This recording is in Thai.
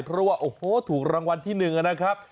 เพราะว่าโอ้โหถูกรางวัลที่๑นะครับ